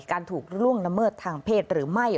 ถูกล่วงละเมิดทางเพศหรือไม่